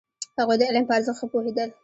هغوی د علم په ارزښت ښه پوهېدل.